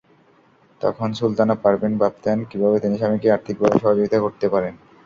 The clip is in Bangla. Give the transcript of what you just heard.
তখন সুলতানা পারভীন ভাবতেন, কীভাবে তিনি স্বামীকে আর্থিকভাবে সহযোগিতা করতে পারেন।